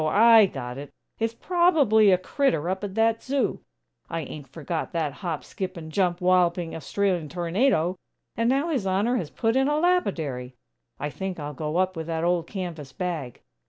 I got it! It's probably a crittur up at that zoo! I ain't forgot that hop, skip and jump, walloping Australian tornado! And now His Honor has put in a lapidary!! I think I'll go up with that old canvas bag!